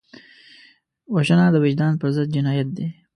وژنه د وجدان پر ضد جنایت دی